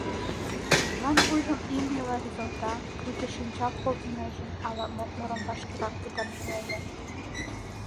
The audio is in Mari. Коклан вуйжым имньыла рӱзалта, пуйто шинчал колтынеже, ала мокмырым вашкерак пытарынеже.